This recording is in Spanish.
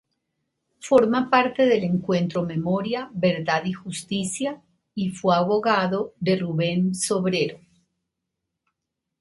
Forma parte del Encuentro Memoria Verdad y Justicia, y fue abogado de Ruben Sobrero.